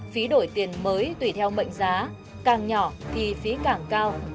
phí đổi tiền mới tùy theo mệnh giá càng nhỏ thì phí càng cao